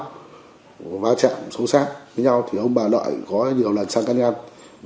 có va chạm xấu xác với nhau thì ông bà lợi có nhiều lần sang căn ngăn